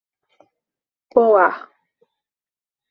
Poá